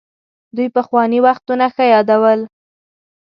دوی پخواني وختونه ښه يادول.